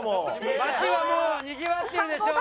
町はもうにぎわってるでしょう。